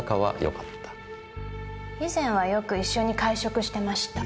以前はよく一緒に会食してました。